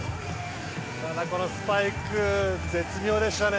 このスパイク絶妙でしたね。